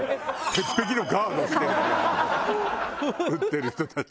鉄壁のガードをしてるのね打ってる人たち。